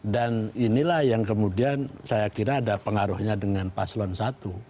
dan inilah yang kemudian saya kira ada pengaruhnya dengan paslon i